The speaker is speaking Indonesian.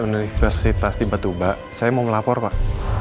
universitas di batuba saya mau melapor pak